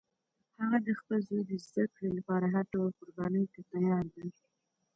هغه د خپل زوی د زده کړې لپاره هر ډول قربانی ته تیار ده